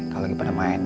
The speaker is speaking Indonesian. kalau lagi pada main